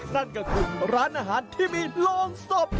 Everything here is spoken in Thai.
นั่นก็คือร้านอาหารที่มีโรงศพ